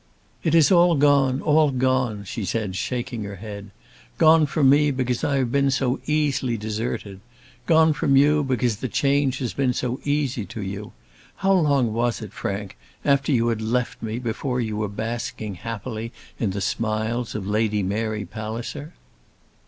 "It is gone; all gone," she said, shaking her head, "gone from me because I have been so easily deserted; gone from you because the change has been so easy to you. How long was it, Frank, after you had left me before you were basking happily in the smiles of Lady Mary Palliser?"